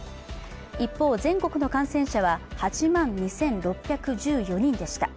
一方、全国の感染者は８万２６１４人でした。